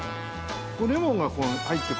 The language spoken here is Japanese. レモンが入って。